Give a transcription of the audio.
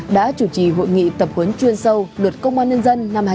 đã chủ trì hội nghị tập huấn chuyên sâu đợt công an nhân dân năm hai nghìn hai mươi